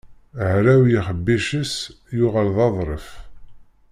Hraw yixebbic-is yuɣal d aḍṛef.